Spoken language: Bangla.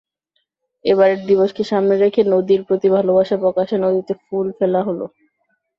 এবারের দিবসকে সামনে রেখে নদীর প্রতি ভালোবাসা প্রকাশে নদীতে ফুল ফেলা হলো।